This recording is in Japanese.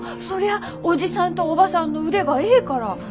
そりゃおじさんとおばさんの腕がええから。